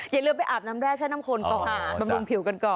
อย่าลืมไปอาบน้ำแร่ใช้น้ำคนก่อนบำรุงผิวกันก่อน